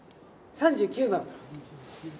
３９番。